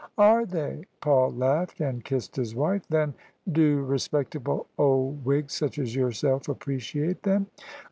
" Are they? " Paul laughed, and kissed his wife. " Then do respectable old Whigs such as yourself appreciate them?